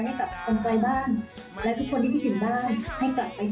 อยากไปร้องเพลงกับทุกคนฟังเหมือนเดิมค่ะ